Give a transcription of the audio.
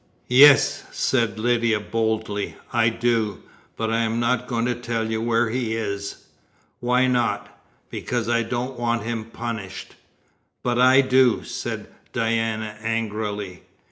"Yes," said Lydia boldly, "I do; but I'm not going to tell where he is!" "Why not?" "Because I don't want him punished." "But I do," said Diana angrily.